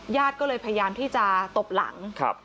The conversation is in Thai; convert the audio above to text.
ญาติก็เลยพยายามที่จะตบหลัง